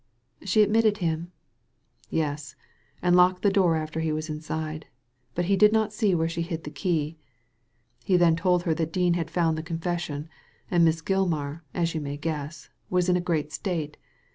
••She admitted him?" ^Yes, and locked the door after he was inside; but he did not see where she hid the key. He then told her that Dean had found the confession, and Miss Gilmar, as you may guess, was in a great state.